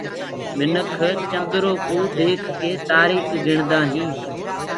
منک چندرو ديک ڪي تآريٚک گُڻدآ هينٚ